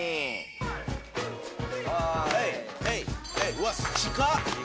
うわ近っ。